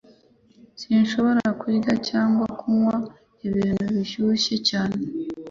Sinshobora kurya cyangwa kunywa ibintu bishyushye cyane